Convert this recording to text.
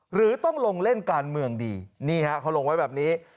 หรือต้องลงเล่นการเมืองดีนี่ฮะเขาลงไว้แบบนี้